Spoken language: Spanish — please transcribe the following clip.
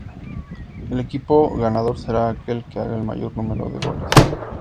El equipo ganador será aquel que haga el mayor número de goles.